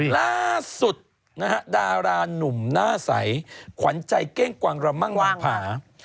ล่าสุดดารานหนุ่มหน้าใสขวัญใจเก้งกว่างระม่างหว่างผา